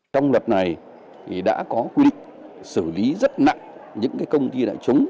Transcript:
trong luật này thì đã có quy định xử lý rất nặng những công ty đại chúng